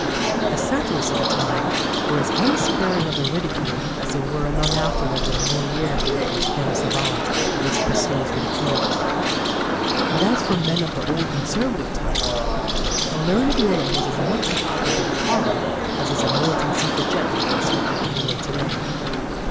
The satirists of the time were as unsparing of their ridicule as they were long afterward when Molière wrote his Femmes Savantes and his Précieuses Ridicules. And as for men of the old conservative type, a learned woman was as much an object of horror as is a militant suffragette in conservative England to day.